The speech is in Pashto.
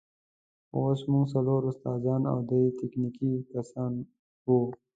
خو اوس موږ څلور استادان او درې تخنیکي کسان وو.